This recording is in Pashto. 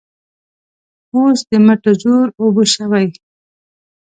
اوس د مټو زور اوبه شوی.